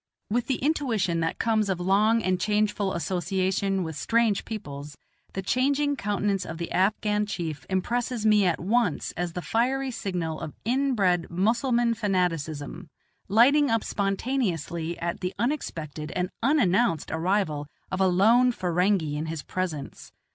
With the intuition that comes of long and changeful association with strange peoples, the changing countenance of the Afghan chief impresses me at once as the fiery signal of inbred Mussulman fanaticism, lighting up spontaneously at the unexpected and unannounced arrival of a lone Ferenghi in his presence.